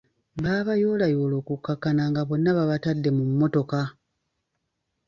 Baabayoolayoola okukkakkana nga bonna babatadde mu mmotoka.